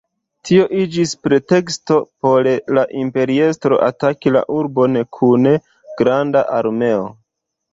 Tio iĝis preteksto por la imperiestro ataki la urbon kun granda armeo.